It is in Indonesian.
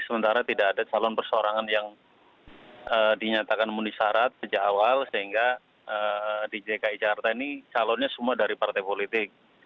sementara tidak ada calon persorangan yang dinyatakan munisarat sejak awal sehingga di dki jakarta ini calonnya semua dari partai politik